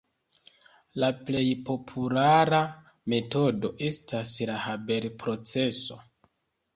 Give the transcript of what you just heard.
La plej populara metodo estas la Haber-proceso.